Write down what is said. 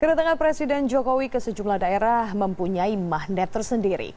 kedatangan presiden jokowi ke sejumlah daerah mempunyai magnet tersendiri